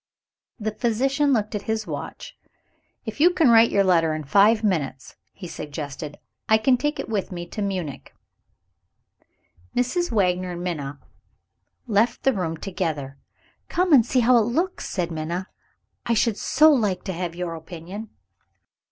The physician looked at his watch. "If you can write your letter in five minutes," he suggested, "I can take it with me to Munich." Mrs. Wagner and Minna left the room together. "Come and see how it looks," said Minna; "I should so like to have your opinion."